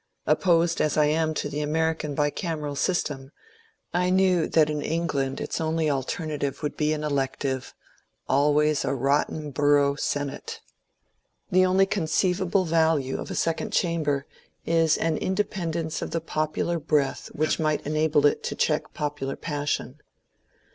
Opposed as I am to the American bicameral system, I knew that in Eng land its only alternative would be an elective — always a 72 MONCURE DANIEL CONWAY rotten borough — senate. The only conceivable value of a sec* ond chamber is an independence of the popular breath which might enable it to check popular passion.